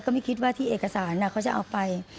ไม่คิดว่าที่เอกสารเขาจะเอาไป